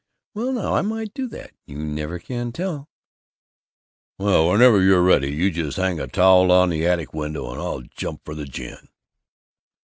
"Well, now, I might do it! You never can tell!" "Well, whenever you're ready, you just hang a towel out of the attic window and I'll jump for the gin!"